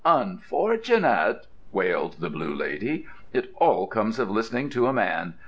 "Unfortunate!" wailed the Blue Lady. "It all comes of listening to a man.